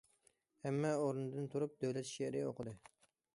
ھەممە ئورنىدىن تۇرۇپ، دۆلەت شېئىرى ئوقۇدى.